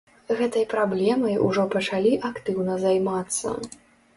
Гэтай праблемай ужо пачалі актыўна займацца.